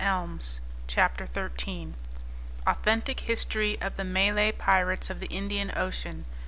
AUTHENTIC HISTORY OF THE MALAY PIRATES OF THE INDIAN OCEAN.